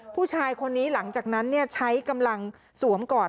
ผู้ชายคนนี้หลังจากนั้นใช้กำลังสวมกอด